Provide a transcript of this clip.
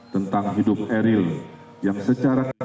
tentang hidup eril yang secara keseluruh